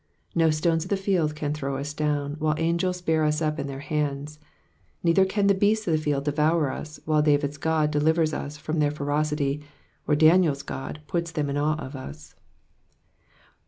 No stones of the iield can throw us down, while angels bear us up m their bands ; neither can the beasts of the tield devour us, while David's God delivers us from their ferocity, or D.iniePs God puts them in awe of us.